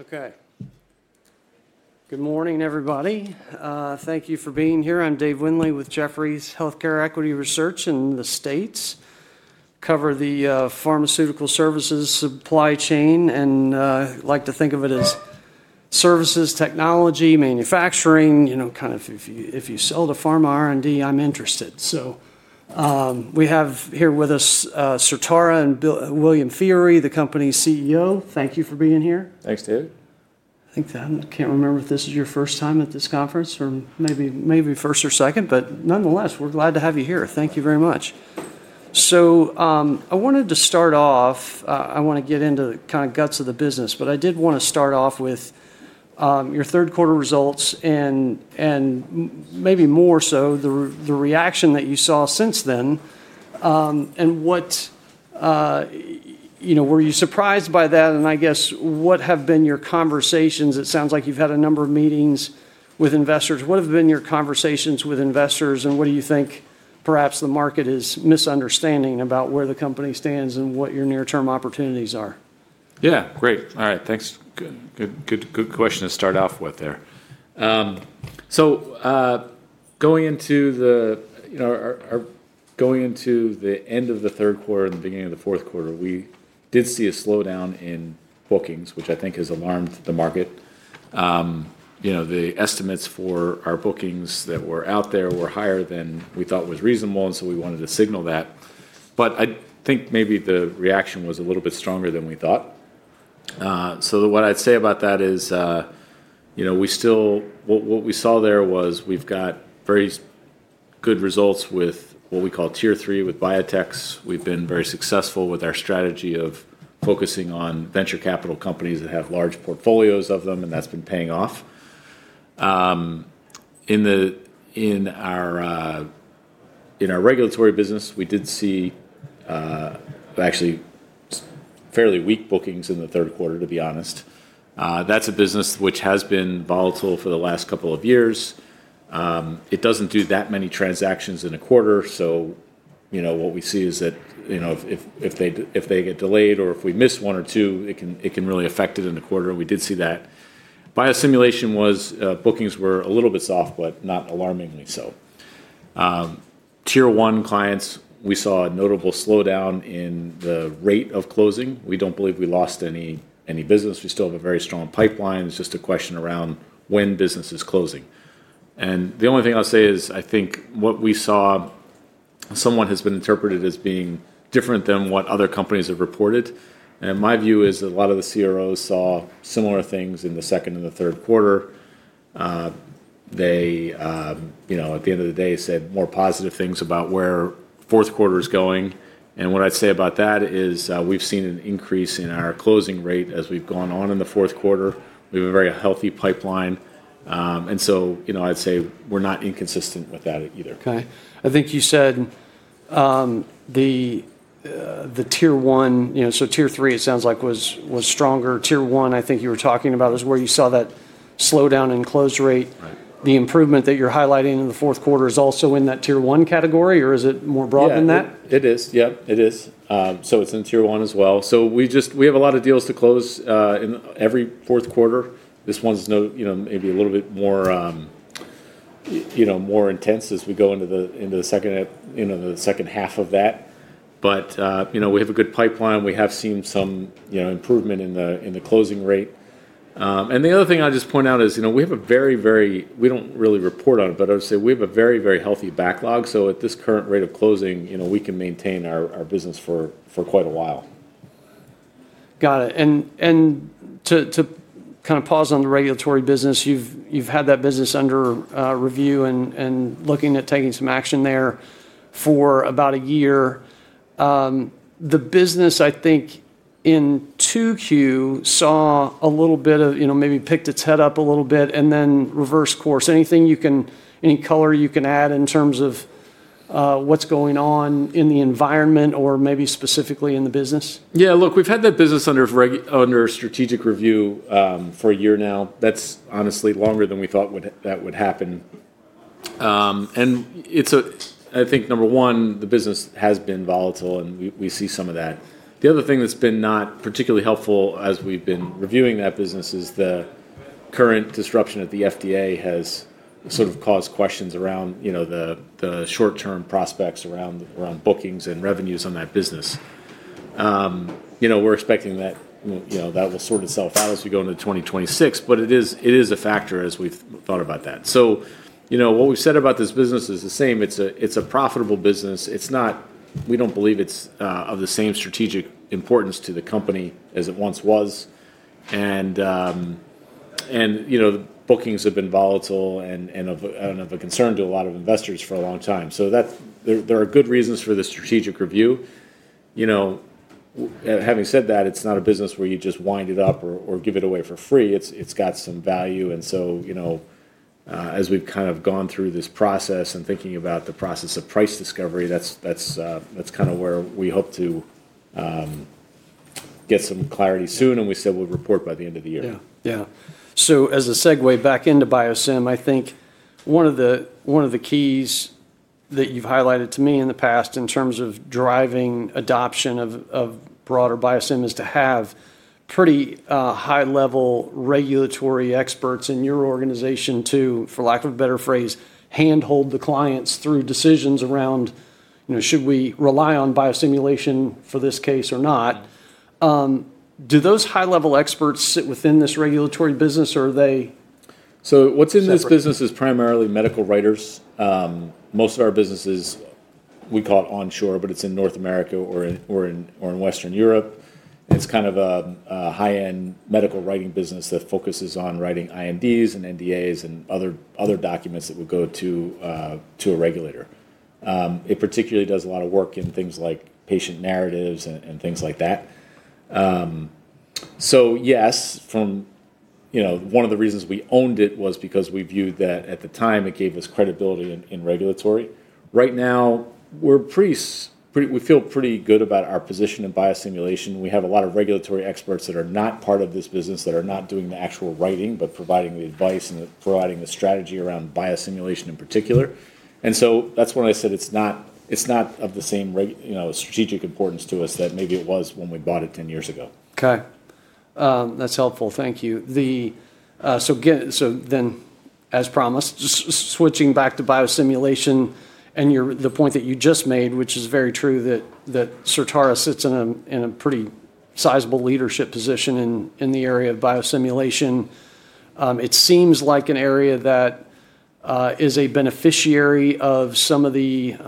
Okay. Good morning, everybody. Thank you for being here. I'm Dave Windley with Jefferies Healthcare Equity Research in the States. Cover the pharmaceutical services supply chain, and I like to think of it as services, technology, manufacturing, you know, kind of if you sell to pharma R&D, I'm interested. So we have here with us Certara and William Feehery, the company's CEO. Thank you for being here. Thanks, David. I think that I can't remember if this is your first time at this conference, or maybe first or second, but nonetheless, we're glad to have you here. Thank you very much. I wanted to start off, I want to get into the kind of guts of the business, but I did want to start off with your third quarter results and maybe more so the reaction that you saw since then and what, you know, were you surprised by that? I guess, what have been your conversations? It sounds like you've had a number of meetings with investors. What have been your conversations with investors, and what do you think perhaps the market is misunderstanding about where the company stands and what your near-term opportunities are? Yeah, great. All right, thanks. Good question to start off with there. Going into the, you know, going into the end of the third quarter and the beginning of the fourth quarter, we did see a slowdown in bookings, which I think has alarmed the market. You know, the estimates for our bookings that were out there were higher than we thought was reasonable, and we wanted to signal that. I think maybe the reaction was a little bit stronger than we thought. What I'd say about that is, you know, we still, what we saw there was we've got very good results with what we call tier three with biotechs. We've been very successful with our strategy of focusing on venture capital companies that have large portfolios of them, and that's been paying off. In our regulatory business, we did see actually fairly weak bookings in the third quarter, to be honest. That's a business which has been volatile for the last couple of years. It doesn't do that many transactions in a quarter, so, you know, what we see is that, you know, if they get delayed or if we miss one or two, it can really affect it in the quarter, and we did see that. Biosimulation bookings were a little bit soft, but not alarmingly so. Tier one clients, we saw a notable slowdown in the rate of closing. We don't believe we lost any business. We still have a very strong pipeline. It's just a question around when business is closing. The only thing I'll say is I think what we saw, someone has been interpreted as being different than what other companies have reported. My view is that a lot of the CROs saw similar things in the second and the third quarter. You know, at the end of the day, said more positive things about where fourth quarter is going. What I'd say about that is we've seen an increase in our closing rate as we've gone on in the fourth quarter. We have a very healthy pipeline. You know, I'd say we're not inconsistent with that either. Okay. I think you said the tier one, you know, so tier three, it sounds like was stronger. Tier one, I think you were talking about, is where you saw that slowdown in close rate. The improvement that you're highlighting in the fourth quarter is also in that tier one category, or is it more broad than that? Yeah, it is. So it's in tier one as well. We just, we have a lot of deals to close in every fourth quarter. This one's, you know, maybe a little bit more, you know, more intense as we go into the second, you know, the second half of that. But, you know, we have a good pipeline. We have seen some, you know, improvement in the closing rate. The other thing I'll just point out is, you know, we have a very, very, we don't really report on it, but I would say we have a very, very healthy backlog. At this current rate of closing, you know, we can maintain our business for quite a while. Got it. To kind of pause on the regulatory business, you've had that business under review and looking at taking some action there for about a year. The business, I think, in 2Q saw a little bit of, you know, maybe picked its head up a little bit and then reversed course. Anything you can, any color you can add in terms of what's going on in the environment or maybe specifically in the business? Yeah, look, we've had that business under strategic review for a year now. That's honestly longer than we thought that would happen. It's, I think, number one, the business has been volatile, and we see some of that. The other thing that's been not particularly helpful as we've been reviewing that business is the current disruption at the FDA has sort of caused questions around, you know, the short-term prospects around bookings and revenues on that business. You know, we're expecting that, you know, that will sort itself out as we go into 2026, but it is a factor as we've thought about that. You know, what we've said about this business is the same. It's a profitable business. It's not, we don't believe it's of the same strategic importance to the company as it once was. You know, bookings have been volatile and of a concern to a lot of investors for a long time. There are good reasons for the strategic review. You know, having said that, it's not a business where you just wind it up or give it away for free. It's got some value. You know, as we've kind of gone through this process and thinking about the process of price discovery, that's kind of where we hope to get some clarity soon, and we said we'll report by the end of the year. Yeah. Yeah. As a segue back into BioSim, I think one of the keys that you've highlighted to me in the past in terms of driving adoption of broader BioSim is to have pretty high-level regulatory experts in your organization to, for lack of a better phrase, handhold the clients through decisions around, you know, should we rely on biosimulation for this case or not. Do those high-level experts sit within this regulatory business, or are they? What's in this business is primarily medical writers. Most of our business, we call it onshore, but it's in North America or in Western Europe. It's kind of a high-end medical writing business that focuses on writing INDs and NDAs and other documents that would go to a regulator. It particularly does a lot of work in things like patient narratives and things like that. Yes, from, you know, one of the reasons we owned it was because we viewed that at the time it gave us credibility in regulatory. Right now, we feel pretty good about our position in biosimulation. We have a lot of regulatory experts that are not part of this business, that are not doing the actual writing, but providing the advice and providing the strategy around biosimulation in particular. That's why I said it's not of the same, you know, strategic importance to us that maybe it was when we bought it 10 years ago. Okay. That's helpful. Thank you. As promised, switching back to biosimulation and the point that you just made, which is very true that Certara sits in a pretty sizable leadership position in the area of biosimulation. It seems like an area that is a beneficiary of some of the, you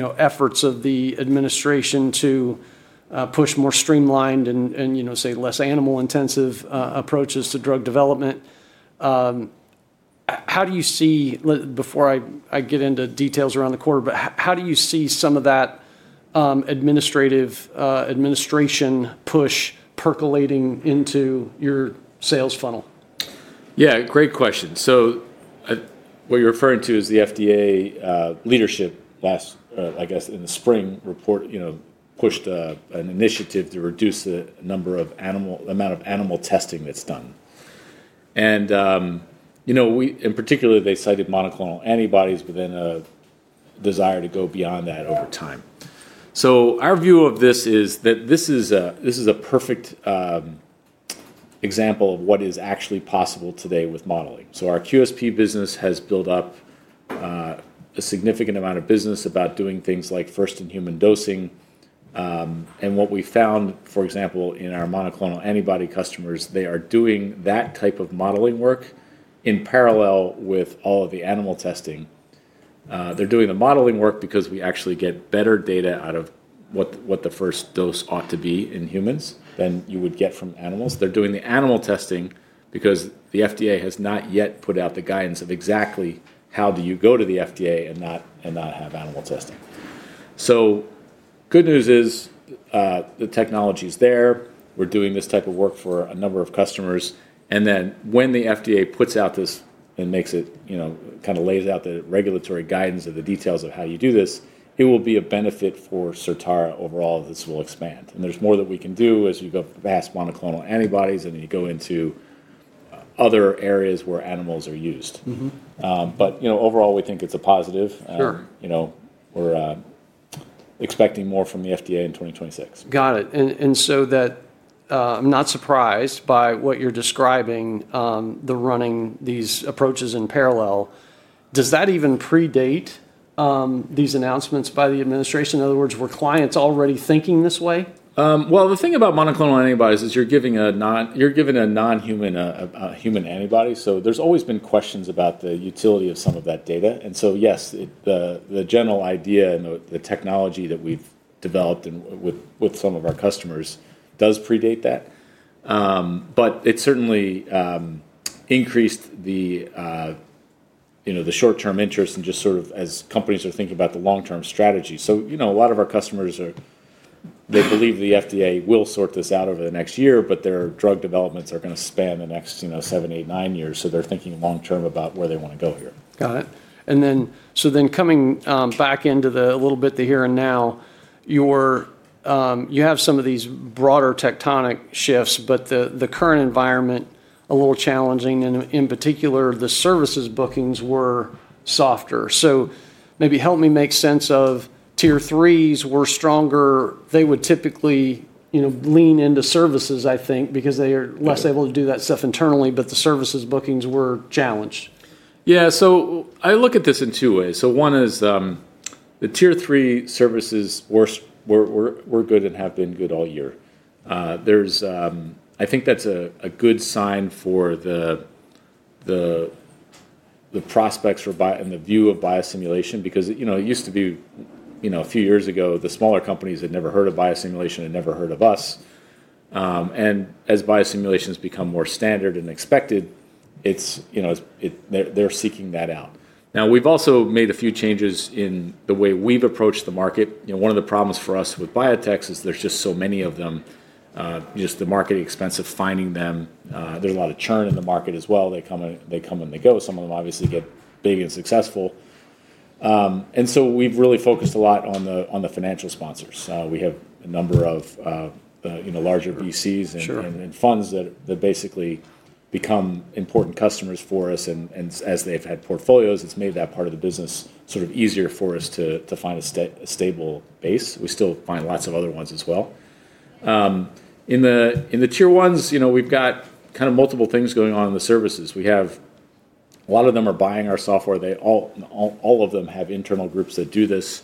know, efforts of the administration to push more streamlined and, you know, say, less animal-intensive approaches to drug development. How do you see, before I get into details around the quarter, how do you see some of that administration push percolating into your sales funnel? Yeah, great question. What you're referring to is the FDA leadership last, I guess, in the spring report, you know, pushed an initiative to reduce the number of animal, the amount of animal testing that's done. You know, we, in particular, they cited monoclonal antibodies, but then a desire to go beyond that over time. Our view of this is that this is a perfect example of what is actually possible today with modeling. Our QSP business has built up a significant amount of business about doing things like first-in-human dosing. What we found, for example, in our monoclonal antibody customers, they are doing that type of modeling work in parallel with all of the animal testing. They're doing the modeling work because we actually get better data out of what the first dose ought to be in humans than you would get from animals. They're doing the animal testing because the FDA has not yet put out the guidance of exactly how do you go to the FDA and not have animal testing. Good news is the technology's there. We're doing this type of work for a number of customers. When the FDA puts out this and makes it, you know, kind of lays out the regulatory guidance of the details of how you do this, it will be a benefit for Certara overall. This will expand. There's more that we can do as you go past monoclonal antibodies and you go into other areas where animals are used. You know, overall, we think it's a positive. Sure. You know, we're expecting more from the FDA in 2026. Got it. So that I'm not surprised by what you're describing, the running these approaches in parallel. Does that even predate these announcements by the administration? In other words, were clients already thinking this way? The thing about monoclonal antibodies is you're giving a non-human antibody. There have always been questions about the utility of some of that data. Yes, the general idea and the technology that we've developed with some of our customers does predate that. It certainly increased the, you know, the short-term interest just sort of as companies are thinking about the long-term strategy. You know, a lot of our customers believe the FDA will sort this out over the next year, but their drug developments are going to span the next seven, eight, nine years. They are thinking long-term about where they want to go here. Got it. Then coming back into a little bit the here and now, you have some of these broader tectonic shifts, but the current environment, a little challenging. In particular, the services bookings were softer. Maybe help me make sense of tier threes were stronger. They would typically, you know, lean into services, I think, because they are less able to do that stuff internally, but the services bookings were challenged. Yeah. I look at this in two ways. One is the tier three services were good and have been good all year. There's, I think that's a good sign for the prospects and the view of biosimulation because, you know, it used to be, you know, a few years ago, the smaller companies had never heard of biosimulation and never heard of us. As biosimulation has become more standard and expected, it's, you know, they're seeking that out. Now, we've also made a few changes in the way we've approached the market. You know, one of the problems for us with biotechs is there's just so many of them, just the marketing expense of finding them. There's a lot of churn in the market as well. They come and they go. Some of them obviously get big and successful. We've really focused a lot on the financial sponsors. We have a number of, you know, larger VCs and funds that basically become important customers for us. As they've had portfolios, it's made that part of the business sort of easier for us to find a stable base. We still find lots of other ones as well. In the tier ones, you know, we've got kind of multiple things going on in the services. We have a lot of them are buying our software. All of them have internal groups that do this.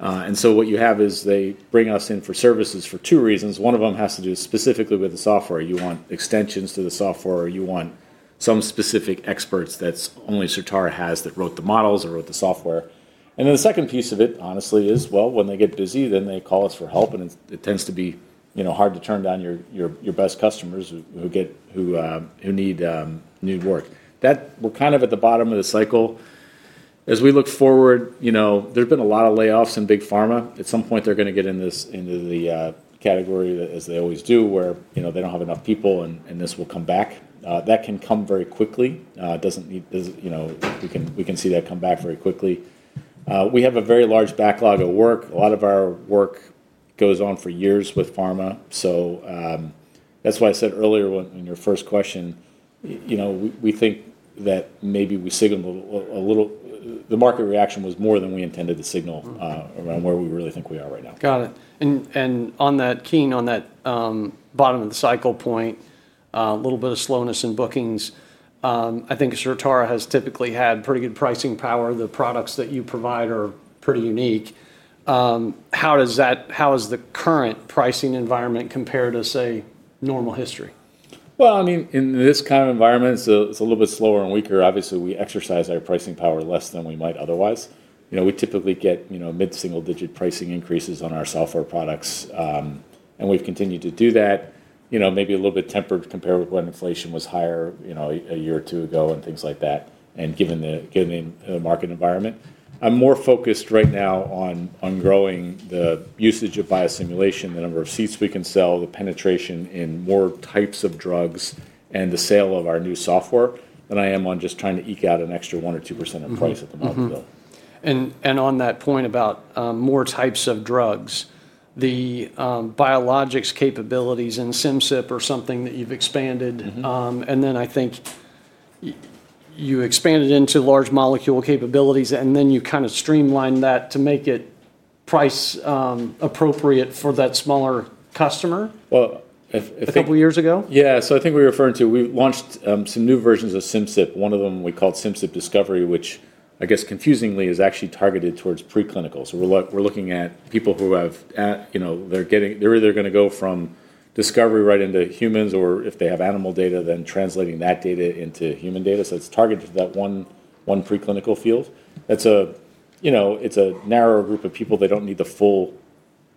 What you have is they bring us in for services for two reasons. One of them has to do specifically with the software. You want extensions to the software or you want some specific experts that only Certara has that wrote the models or wrote the software. The second piece of it, honestly, is, well, when they get busy, then they call us for help. It tends to be, you know, hard to turn down your best customers who need work. That we are kind of at the bottom of the cycle. As we look forward, you know, there have been a lot of layoffs in big pharma. At some point, they are going to get into the category, as they always do, where, you know, they do not have enough people and this will come back. That can come very quickly. Does not need, you know, we can see that come back very quickly. We have a very large backlog of work. A lot of our work goes on for years with pharma. That's why I said earlier in your first question, you know, we think that maybe we signaled a little, the market reaction was more than we intended to signal around where we really think we are right now. Got it. On that, keen on that bottom of the cycle point, a little bit of slowness in bookings. I think Certara has typically had pretty good pricing power. The products that you provide are pretty unique. How is the current pricing environment compared to, say, normal history? In this kind of environment, it's a little bit slower and weaker. Obviously, we exercise our pricing power less than we might otherwise. You know, we typically get, you know, mid-single-digit pricing increases on our software products. And we've continued to do that, you know, maybe a little bit tempered compared with when inflation was higher, you know, a year or two ago and things like that. Given the market environment, I'm more focused right now on growing the usage of biosimulation, the number of seats we can sell, the penetration in more types of drugs, and the sale of our new software than I am on just trying to eke out an extra 1% or 2% of price at the moment though. On that point about more types of drugs, the biologics capabilities in Simcyp are something that you've expanded. I think you expanded into large molecule capabilities, and then you kind of streamlined that to make it price-appropriate for that smaller customer. Well. A couple of years ago. Yeah. I think we're referring to, we launched some new versions of Simcyp. One of them we called Simcyp Discovery, which I guess confusingly is actually targeted towards preclinical. We're looking at people who have, you know, they're either going to go from discovery right into humans or if they have animal data, then translating that data into human data. It's targeted to that one preclinical field. That's a, you know, it's a narrow group of people. They don't need the full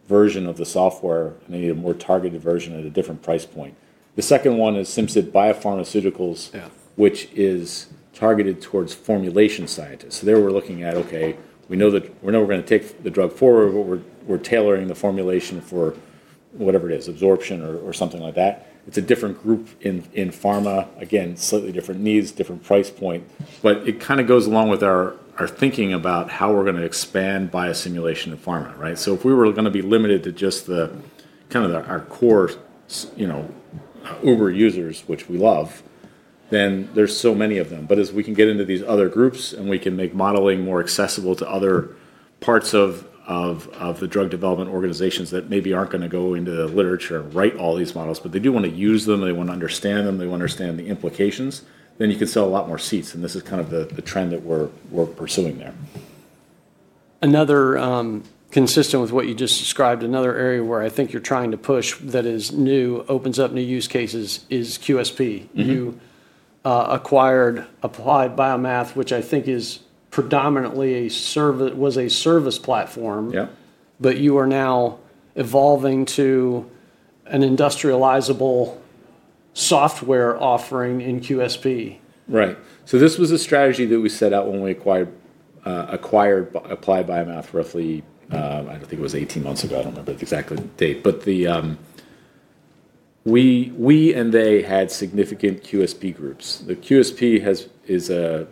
version of the software. They need a more targeted version at a different price point. The second one is Simcyp Biopharmaceuticals, which is targeted towards formulation scientists. There we're looking at, okay, we know that we're going to take the drug forward, but we're tailoring the formulation for whatever it is, absorption or something like that. It's a different group in pharma. Again, slightly different needs, different price point. It kind of goes along with our thinking about how we're going to expand biosimulation in pharma, right? If we were going to be limited to just the kind of our core, you know, uber users, which we love, then there are so many of them. As we can get into these other groups and we can make modeling more accessible to other parts of the drug development organizations that maybe are not going to go into the literature and write all these models, but they do want to use them and they want to understand them, they want to understand the implications, you can sell a lot more seats. This is kind of the trend that we're pursuing there. Another consistent with what you just described, another area where I think you're trying to push that is new, opens up new use cases is QSP. You acquired Applied Biomath, which I think is predominantly a service, was a service platform. Yeah. You are now evolving to an industrializable software offering in QSP. Right. So this was a strategy that we set out when we acquired Applied Biomath roughly, I don't think it was 18 months ago. I don't remember the exact date, but we and they had significant QSP groups. The QSP is a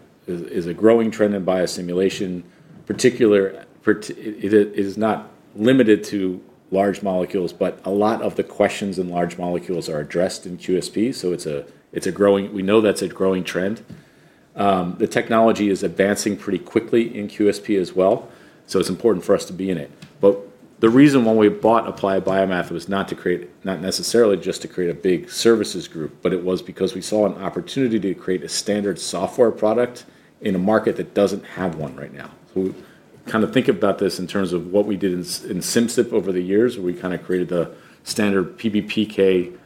growing trend in biosimulation, particular, it is not limited to large molecules, but a lot of the questions in large molecules are addressed in QSP. So it's a growing, we know that's a growing trend. The technology is advancing pretty quickly in QSP as well. It is important for us to be in it. The reason why we bought Applied Biomath was not to create, not necessarily just to create a big services group, but it was because we saw an opportunity to create a standard software product in a market that doesn't have one right now. Kind of think about this in terms of what we did in Simcyp over the years, where we kind of created the standard PBPK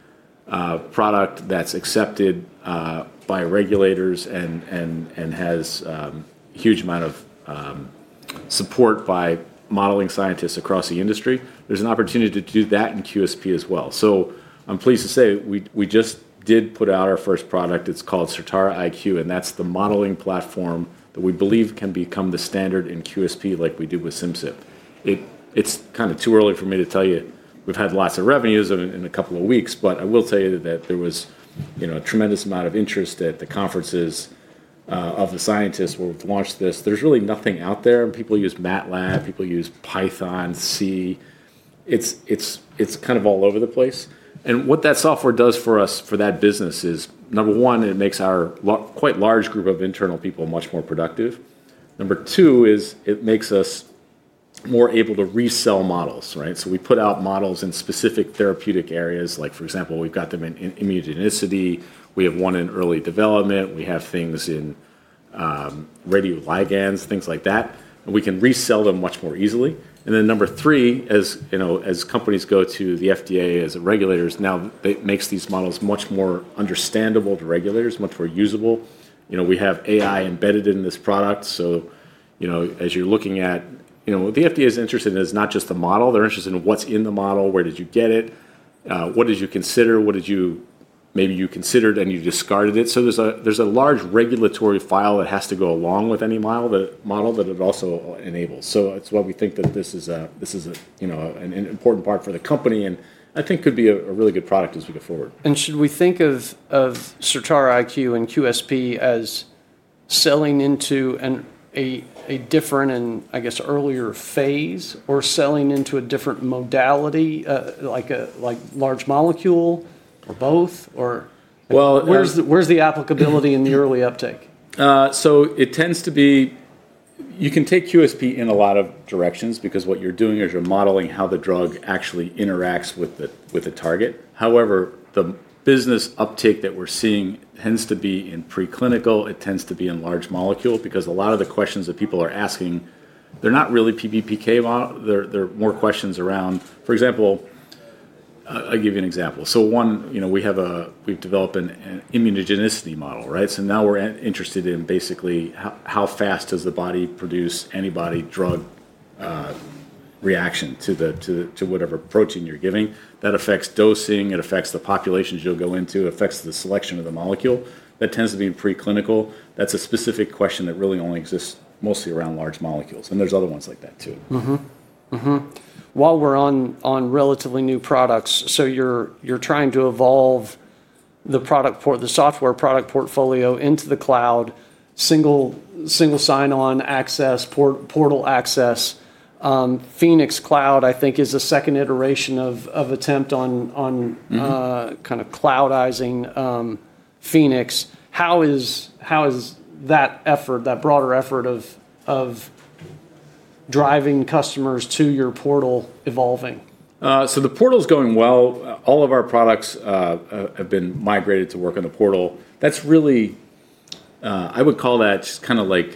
product that's accepted by regulators and has a huge amount of support by modeling scientists across the industry. There's an opportunity to do that in QSP as well. I'm pleased to say we just did put out our first product. It's called Certara IQ, and that's the modeling platform that we believe can become the standard in QSP like we did with Simcyp. It's kind of too early for me to tell you. We've had lots of revenues in a couple of weeks, but I will tell you that there was, you know, a tremendous amount of interest at the conferences of the scientists where we've launched this. There's really nothing out there. People use MATLAB. People use Python, C. It's kind of all over the place. What that software does for us, for that business is, number one, it makes our quite large group of internal people much more productive. Number two is it makes us more able to resell models, right? We put out models in specific therapeutic areas, like for example, we've got them in immunogenicity. We have one in early development. We have things in radioligands, things like that. We can resell them much more easily. Number three, as you know, as companies go to the FDA as regulators, now it makes these models much more understandable to regulators, much more usable. You know, we have AI embedded in this product. You know, as you're looking at, you know, the FDA is interested in not just the model. They're interested in what's in the model. Where did you get it? What did you consider? What did you, maybe you considered and you discarded it? There is a large regulatory file that has to go along with any model that it also enables. That is why we think that this is a, you know, an important part for the company. I think it could be a really good product as we go forward. Should we think of Certara IQ and QSP as selling into a different and, I guess, earlier phase or selling into a different modality, like a large molecule or both? Where's the applicability in the early uptake? It tends to be, you can take QSP in a lot of directions because what you're doing is you're modeling how the drug actually interacts with the target. However, the business uptake that we're seeing tends to be in preclinical. It tends to be in large molecule because a lot of the questions that people are asking, they're not really PBPK. They're more questions around, for example, I'll give you an example. One, you know, we have a, we've developed an immunogenicity model, right? Now we're interested in basically how fast does the body produce antibody drug reaction to whatever protein you're giving. That affects dosing. It affects the populations you'll go into. It affects the selection of the molecule. That tends to be in preclinical. That's a specific question that really only exists mostly around large molecules. There's other ones like that too. While we're on relatively new products, so you're trying to evolve the software product portfolio into the cloud, single sign-on access, portal access. Phoenix Cloud, I think, is a second iteration of attempt on kind of cloudizing Phoenix. How is that effort, that broader effort of driving customers to your portal evolving? The portal's going well. All of our products have been migrated to work on the portal. That's really, I would call that kind of like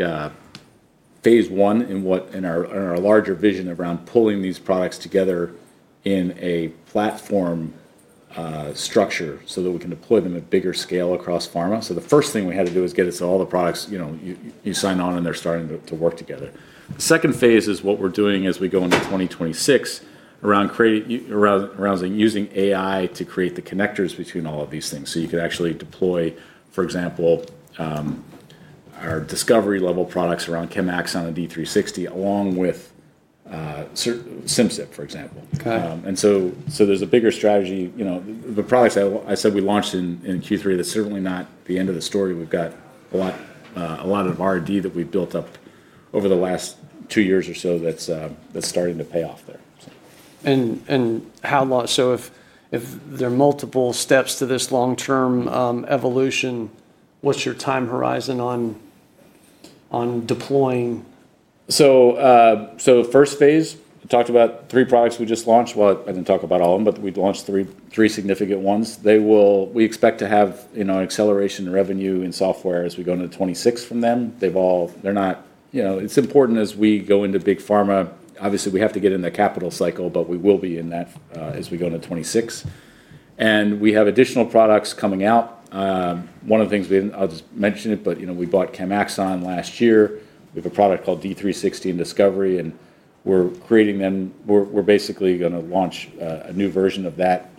phase one in our larger vision around pulling these products together in a platform structure so that we can deploy them at bigger scale across pharma. The first thing we had to do is get us all the products, you know, you sign on and they're starting to work together. The second phase is what we're doing as we go into 2026 around using AI to create the connectors between all of these things. You could actually deploy, for example, our discovery level products around ChemAxon and D360 along with Simcyp, for example. There's a bigger strategy, you know, the products I said we launched in Q3, that's certainly not the end of the story. We've got a lot of R&D that we've built up over the last two years or so that's starting to pay off there. How long, if there are multiple steps to this long-term evolution, what's your time horizon on deploying? First phase, talked about three products we just launched. I didn't talk about all of them, but we've launched three significant ones. They will, we expect to have, you know, an acceleration in revenue in software as we go into 2026 from them. They've all, they're not, you know, it's important as we go into big pharma. Obviously, we have to get in the capital cycle, but we will be in that as we go into 2026. We have additional products coming out. One of the things we, I'll just mention it, but you know, we bought ChemAxon last year. We have a product called D360 in discovery and we're creating them. We're basically going to launch a new version of that,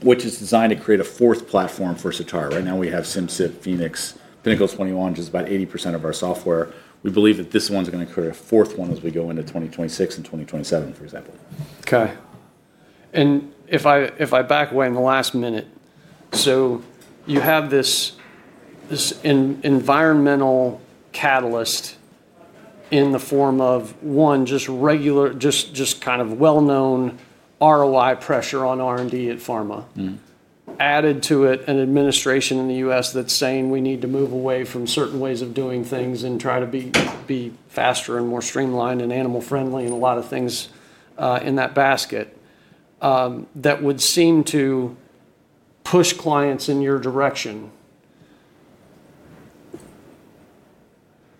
which is designed to create a fourth platform for Certara. Right now we have Simcyp, Phoenix, Pinnacle 21, just about 80% of our software. We believe that this one's going to create a fourth one as we go into 2026 and 2027, for example. Okay. If I back away in the last minute, you have this environmental catalyst in the form of, one, just regular, just kind of well-known ROI pressure on R&D at pharma. Added to it, an administration in the U.S. that's saying we need to move away from certain ways of doing things and try to be faster and more streamlined and animal-friendly and a lot of things in that basket that would seem to push clients in your direction.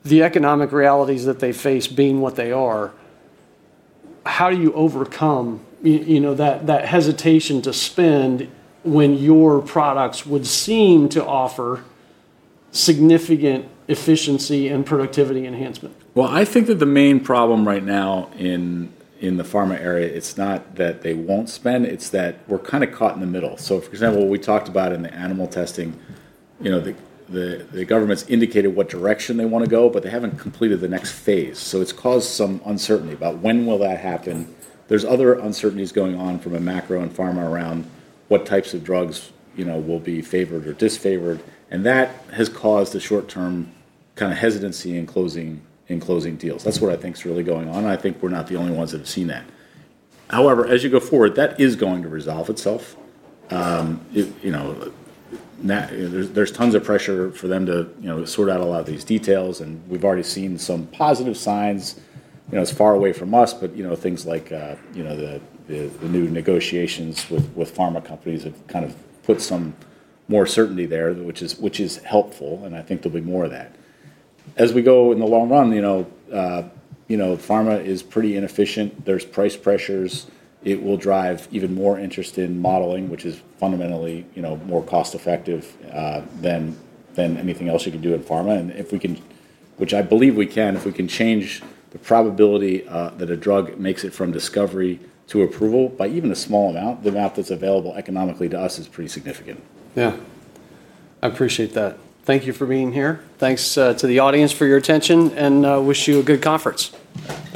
The economic realities that they face being what they are, how do you overcome, you know, that hesitation to spend when your products would seem to offer significant efficiency and productivity enhancement? I think that the main problem right now in the pharma area, it's not that they won't spend, it's that we're kind of caught in the middle. For example, what we talked about in the animal testing, you know, the government's indicated what direction they want to go, but they haven't completed the next phase. It has caused some uncertainty about when will that happen. There are other uncertainties going on from a macro and pharma around what types of drugs, you know, will be favored or disfavored. That has caused the short-term kind of hesitancy in closing deals. That's what I think is really going on. I think we're not the only ones that have seen that. However, as you go forward, that is going to resolve itself. You know, there's tons of pressure for them to, you know, sort out a lot of these details. We have already seen some positive signs, you know, it is far away from us, but, you know, things like, you know, the new negotiations with pharma companies have kind of put some more certainty there, which is helpful. I think there will be more of that. As we go in the long run, you know, pharma is pretty inefficient. There are price pressures. It will drive even more interest in modeling, which is fundamentally, you know, more cost-effective than anything else you can do in pharma. If we can, which I believe we can, if we can change the probability that a drug makes it from discovery to approval by even a small amount, the amount that is available economically to us is pretty significant. Yeah. I appreciate that. Thank you for being here. Thanks to the audience for your attention and wish you a good conference. Thanks.